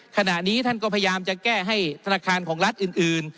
ขณะนี้ท่านก็พยายามจะแก้ให้ธนาคารของรัฐอื่น